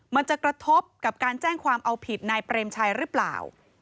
มันจะกระทบกับการแจ้งความเอาผิดนายเปรมชัยหรือเปล่า